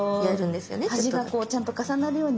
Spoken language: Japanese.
端がこうちゃんと重なるように。